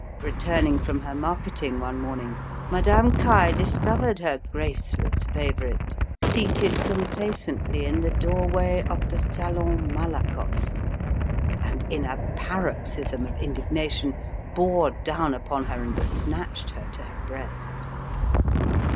Returning from her marketing one morning, Madame Caille discovered her graceless favourite seated complacently in the doorway of the Salon Malakoff, and, in a paroxysm of indignation, bore down upon her, and snatched her to her breast.